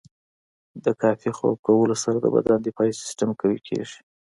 د کافي خوب کولو سره د بدن دفاعي سیستم قوي کیږي.